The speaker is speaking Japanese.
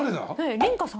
梨花さん